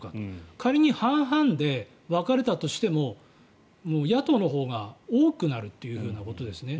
仮に半々で分かれたとしても野党のほうが多くなるということですね。